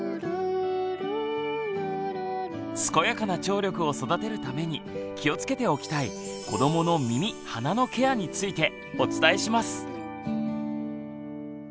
健やかな聴力を育てるために気をつけておきたい子どもの耳・鼻のケアについてお伝えします。